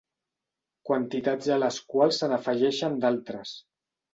Quantitats a les quals se n'afegeixen d'altres.